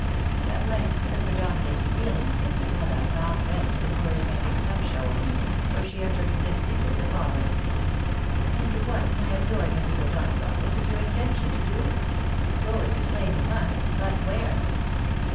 At length the predominating feeling of Miss Matilda found vent in words having some show of meaning, for she uttered distinctly the following :—" And what, my adored Mrs. O'Donagough, is it your intentioi to do ? Go, it is plain, you must — ^but where